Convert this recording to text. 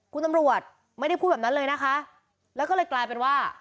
คุณตำรวจไม่ได้พูดแบบนั้นเลยนะคะแล้วก็เลยกลายเป็นว่า